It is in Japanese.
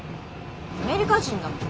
アメリカ人だもん。